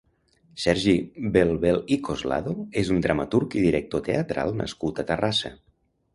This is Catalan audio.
Sergi Belbel i Coslado és un dramaturg i director teatral nascut a Terrassa.